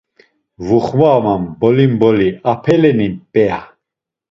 Vuxvamam mboli mboli, apeleni p̌eya?